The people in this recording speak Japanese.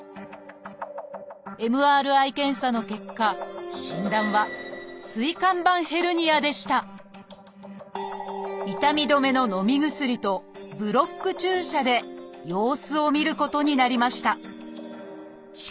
ＭＲＩ検査の結果診断は痛み止めののみ薬とブロック注射で様子を見ることになりました。